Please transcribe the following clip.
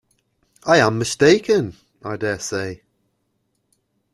I am mistaken, I dare say.